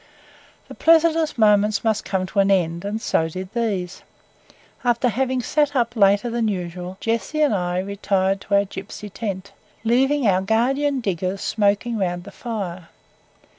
The pleasantest moments must come to an end, and so did these. After having sat up later than usual, Jessie and I retired to our gipsy tent, leaving our guardian diggers smoking round the fire.